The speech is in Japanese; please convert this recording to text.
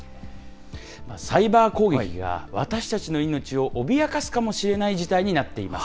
サイバー攻撃が私たちの命を脅かすかもしれない事態になっています。